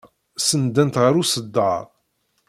Senndent ɣer uṣeddar.